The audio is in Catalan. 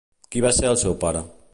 Qui va ser el seu pare?